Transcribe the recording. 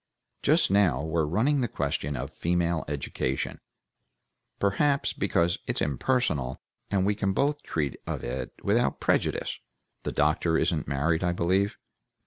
Just now we're running the question of female education, perhaps because it's impersonal, and we can both treat of it without prejudice." "The doctor isn't married, I believe?"